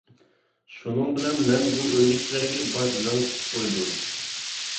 شۇنىڭ بىلەن مەن بۇ ئۆيدىكىلەرگە باش لىڭشىتىپ قويدۇم.